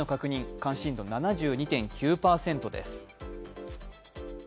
関心度７２．９％です。